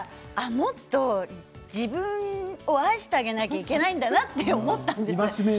もっと自分を愛してあげないといけないんだなと思ったんです。